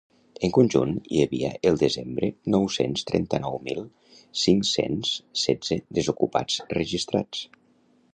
En conjunt, hi havia el desembre nou-cents trenta-nou mil cinc-cents setze desocupats registrats.